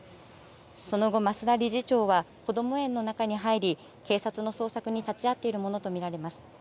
その後、増田理事長はこども園の中に入り警察の捜索に立ち会っているものと見られます。